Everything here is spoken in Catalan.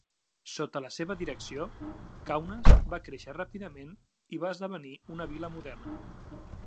Sota la seva direcció Kaunas va créixer ràpidament i va esdevenir una vila moderna.